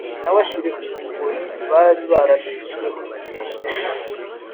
inabashyire ku ngoyi bari barashyizweho.